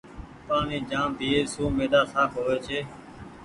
پآڻيٚ جآم پيئي سون ميدآ سآڦ هووي ڇي۔